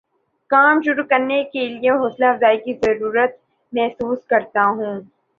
کام شروع کرنے کے لیے حوصلہ افزائی کی ضرورت محسوس کرتا ہوں